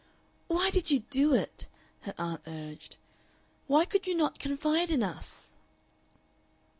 "Why did you do it?" her aunt urged. "Why could you not confide in us?"